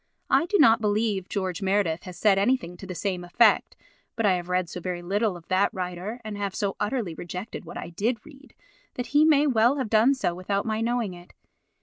I do not believe George Meredith has said anything to the same effect, but I have read so very little of that writer, and have so utterly rejected what I did read, that he may well have done so without my knowing it.